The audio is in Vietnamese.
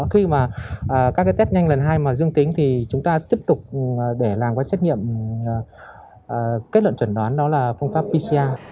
khi mà các cái test nhanh lần hai mà dương tính thì chúng ta tiếp tục để làm cái xét nghiệm kết luận chuẩn đoán đó là phương pháp pcr